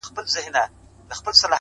ته هم چنداني شی ولاکه يې ه ياره”